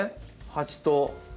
鉢と。